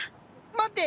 待って！